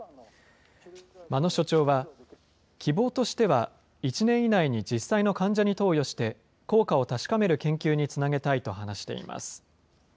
間野所長は、希望としては１年以内に実際の患者に投与して、効果を確かめる研究につなげたいと話しています。